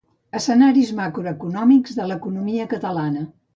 Escenaris macroeconòmics de l'economia catalana.